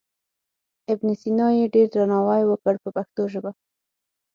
ابن سینا یې ډېر درناوی وکړ په پښتو ژبه.